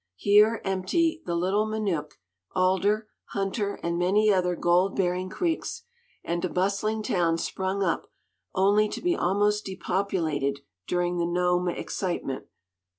Here empty the Little Minook, Alder, Hunter, and many other gold bearing creeks, and a bustling town sprung up only to be almost depopulated during the Nome excitement.